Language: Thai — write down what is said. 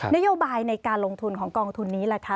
นโยบายในการลงทุนของกองทุนนี้ล่ะคะ